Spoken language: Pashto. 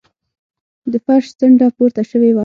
د فرش څنډه پورته شوې وه.